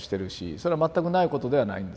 それは全くないことではないんですね。